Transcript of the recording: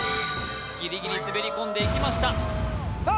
ギリギリ滑り込んでいきましたさあ